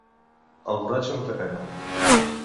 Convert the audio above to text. El borratxo no té pena.